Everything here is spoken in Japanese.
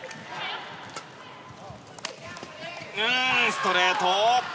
ストレート！